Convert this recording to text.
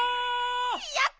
やった！